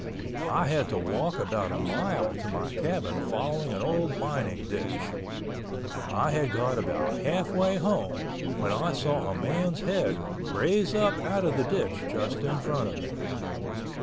I had to walk about a mile to my cabin following an old mining ditch. I had got about half way home when I saw a man's head raise up out of the ditch just in front of me.